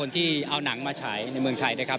ที่เอาหนังมาฉายในเมืองไทยนะครับ